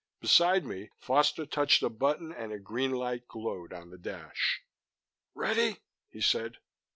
Beside me, Foster touched a button and a green light glowed on the dash. "Ready?" he said.